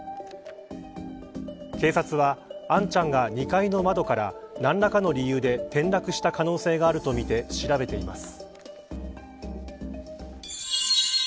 警察は杏ちゃんが２階の窓から何らかの理由で転落した可能性があるとみて調べています。